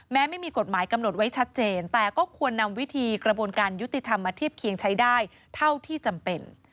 ไม่มีกฎหมายกำหนดไว้ชัดเจนแต่ก็ควรนำวิธีกระบวนการยุติธรรมมาเทียบเคียงใช้ได้เท่าที่จำเป็น